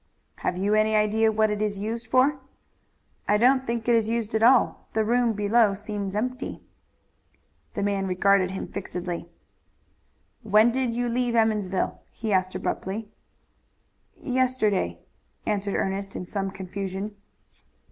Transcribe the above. "Have you any idea what it is used for?" "I don't think it is used at all. The room below seems empty." The man regarded him fixedly. "When did you leave Emmonsville?" he asked abruptly. "Yesterday," answered Ernest in some confusion.